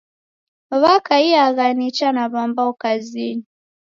W'akaiagha nicha na w'ambao kazinyi.